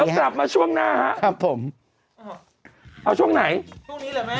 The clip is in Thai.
กลับมาช่วงหน้าฮะครับผมเอาช่วงไหนช่วงนี้เลยแม่